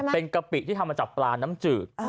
เป็นกะปิที่ทำมาจากปลาน้ำจืด